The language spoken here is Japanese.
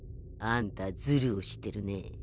あんたズルをしてるね。